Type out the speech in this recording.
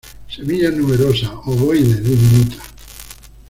Semillas numerosas, ovoides, diminutas.